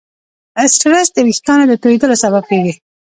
سټرېس د وېښتیانو د تویېدلو سبب کېږي.